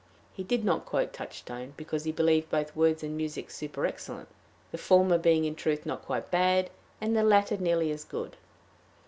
He did not quote Touchstone because he believed both words and music superexcellent, the former being in truth not quite bad, and the latter nearly as good.